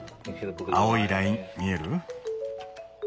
青いライン見える？